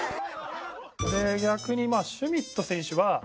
逆にまあシュミット選手は。